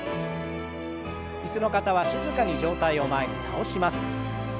椅子の方は静かに上体を前に倒します。